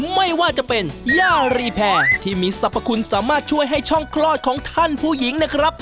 ไม่ว่าจะเป็นย่ารีแพรที่มีสรรพคุณสามารถช่วยให้ช่องคลอดของท่านผู้หญิงนะครับ